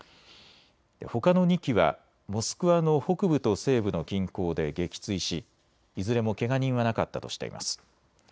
ほかの２機はモスクワの北部と西部の近郊で撃墜し、いずれもけが人はなかったとしています。